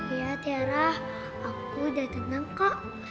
iya tiara aku udah tenang kak